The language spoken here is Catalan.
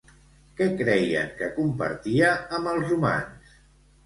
Què creien que compartia amb els humans?